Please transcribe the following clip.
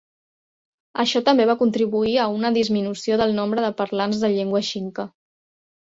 Això també va contribuir a una disminució del nombre de parlants de llengua xinca.